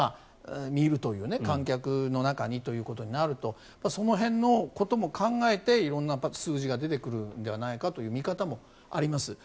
見るという観客の中にということになるとその辺のことも考えて色んな数字が出てくるんではないかという見方もあります。